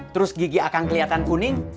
terus gigi akang keliatan kuning